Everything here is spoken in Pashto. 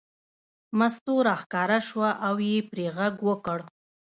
مستو راښکاره شوه او یې پرې غږ وکړ.